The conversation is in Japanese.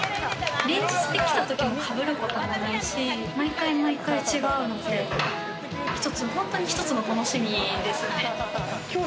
連日できたときも変わることはないし、毎回毎回違うので、本当に１つの楽しみですね。